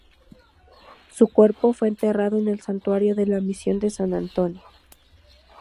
Su cuerpo fue enterrado en el santuario de la Misión de San Antonio.